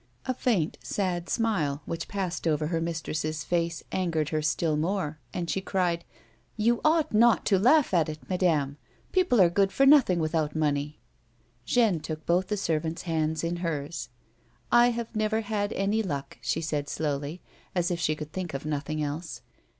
A faint sad smile which passed over her mistress' face angered her still more and she cried :" You ought not to laugh at it, madame. People are good for nothing without money." Jeanne took both the servant's hands in hers. " I have never had any luck," she said slowly, as if she could think of nothing else.